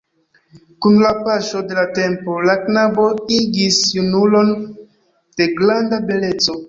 Kun la paŝo de la tempo, la knabo igis junulon de granda beleco.